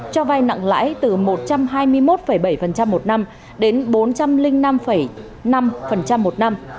cho vay nặng lãi từ một trăm hai mươi một bảy một năm đến bốn trăm linh năm năm một năm